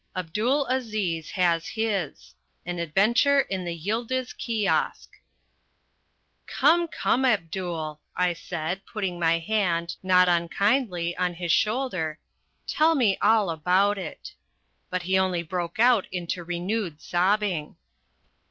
Abdul Aziz has His: An Adventure in the Yildiz Kiosk "Come, come, Abdul," I said, putting my hand, not unkindly, on his shoulder, "tell me all about it." But he only broke out into renewed sobbing.